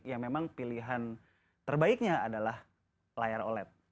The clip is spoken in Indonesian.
ya memang pilihan terbaiknya adalah layar oled